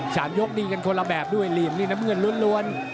สามยกนี่กันคนละแบบด้วยเหลี่ยมนี่น้ำเงินล้วน